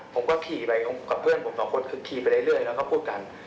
ผมก็ขี่ไปกับเพื่อนผมสองคนคือขี่ไปเรื่อยแล้วก็พูดกัน